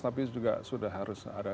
tapi juga sudah harus ada